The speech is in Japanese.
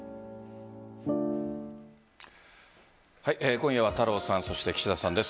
今夜は太郎さん岸田さんです。